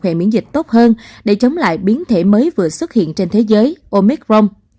hệ miễn dịch tốt hơn để chống lại biến thể mới vừa xuất hiện trên thế giới omicron